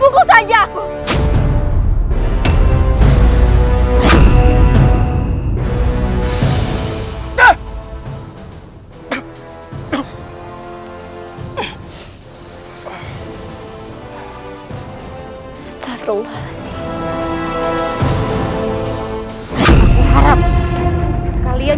pukul aku yudha karan